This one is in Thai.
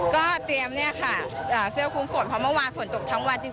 ก็เตรียมเสื้อคุ้มฝนเพราะเมื่อวานฝนตกทั้งวัน